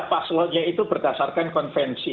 passwordnya itu berdasarkan konvensi